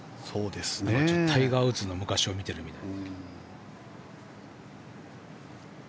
タイガー・ウッズの昔を見ているみたい。